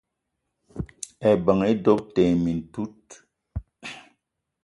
Ebeng doöb te mintout.